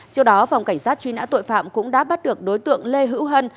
trước đó phòng cảnh sát truy nã tội phạm cũng đã bắt được đối tượng lê hữu hân